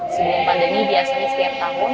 sebelum pandemi biasanya setiap tahun